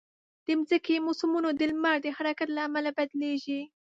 د مځکې موسمونه د لمر د حرکت له امله بدلېږي.